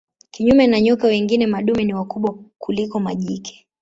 Kinyume na nyoka wengine madume ni wakubwa kuliko majike.